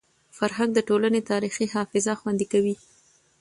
فرهنګ د ټولني تاریخي حافظه خوندي کوي.